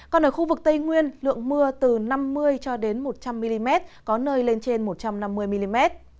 còn ở khu vực tây nguyên lượng mưa từ năm mươi cho đến một trăm linh mm có nơi lên trên một trăm năm mươi mm